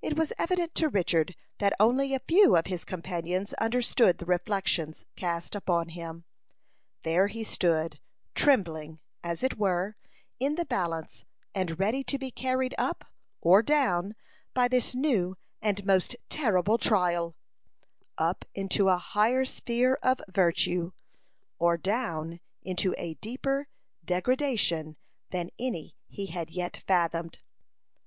It was evident to Richard that only a few of his companions understood the reflections cast upon him. There he stood, trembling, as it were, in the balance, and ready to be carried up or down by this new and most terrible trial up into a higher sphere of virtue, or down into a deeper degradation than any he had yet fathomed.